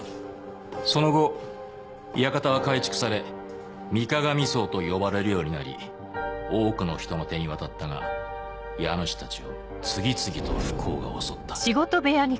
その後館は改築され水鏡荘と呼ばれるようになり多くの人の手に渡ったが家主たちを次々と不幸が襲った。